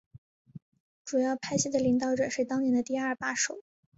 主要派系的领导者是当年的第二把手。